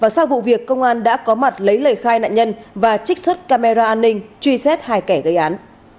sau vụ việc công an đã có mặt lấy lời khai nạn nhân và trích xuất camera an ninh truy xét hai kẻ gây án